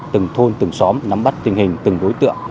từng thôn từng xóm nắm bắt tình hình từng đối tượng